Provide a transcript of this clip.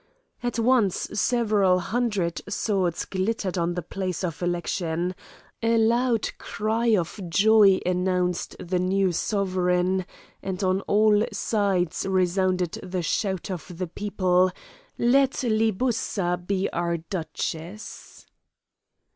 At once several hundred swords glittered on the place of election, a loud cry of joy announced the new sovereign, and on all sides resounded the shout of the people: "Let Libussa be our duchess!"